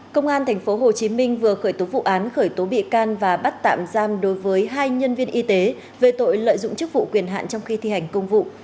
công an tp hcm vừa khởi tố vụ án khởi tố bị can và bắt tạm giam đối với hai nhân viên y tế về tội lợi dụng chức vụ quyền hạn trong khi thi hành công vụ